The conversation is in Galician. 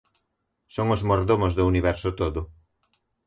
Son os mordomos do universo todo.